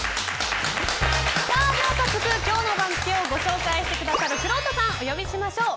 では早速、今日の番付をご紹介してくださるくろうとさん、お呼びしましょう。